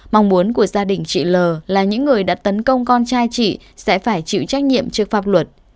mong muốn của gia đình chị l là những người đã tấn công con trai chị sẽ phải chịu trách nhiệm trước pháp luật